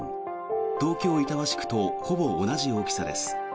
東京・板橋区とほぼ同じ大きさです。